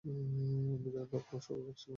বিদায় লগ্ন সুখকর ছিল না।